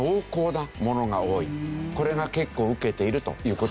これが結構ウケているという事。